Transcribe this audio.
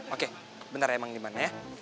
oke bentar ya mang diman ya